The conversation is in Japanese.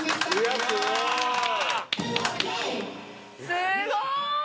すごーい！